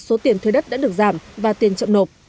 số tiền thuê đất đã được giảm và tiền chậm nộp